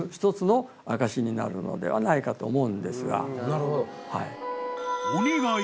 なるほど。